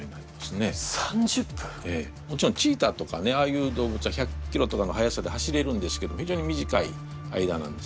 ええもちろんチーターとかねああいう動物は１００キロとかの速さで走れるんですけどひじょうに短い間なんです。